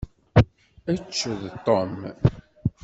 Ečč d Tom!